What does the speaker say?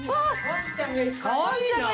かわいいな！